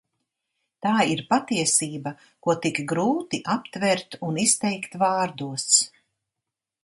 Tā ir patiesība, ko tik grūti aptvert un izteikt vārdos.